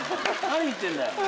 何言ってんだよ